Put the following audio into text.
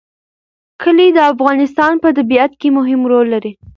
کلي د افغانستان په طبیعت کې مهم رول لري.